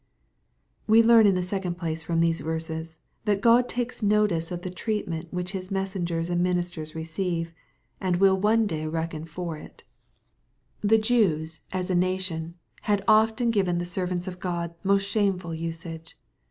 We learn, in the second place, from these verses, that f God takesnoticeo/the treatmen>twhichHis messengers and I ministers receive, and tvUI one day reckon for it The 308 SZPOSITOBT THOUGHTS. • Jews, as a nation, had often given the servants of €k>d most shameful usage.